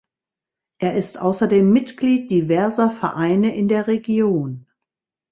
Er ist ausserdem Mitglied diverser Vereine in der Region.